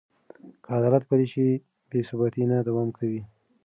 که عدالت پلی شي، بې ثباتي نه دوام کوي.